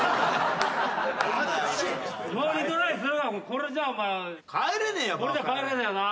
これじゃ帰れねえよな。